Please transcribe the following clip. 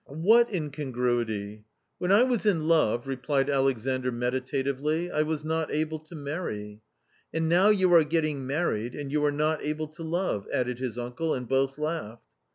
" What incongruity ?" "When I was in love," replied Alexandr meditatively, " I was not able to marry." " And now you are getting married, and you are not able to love," added his uncle, and both laughed.